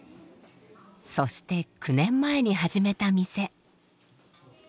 そして９年前に始めた店。